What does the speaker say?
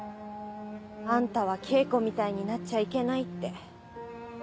アンタは恵子みたいになっちゃいけないって。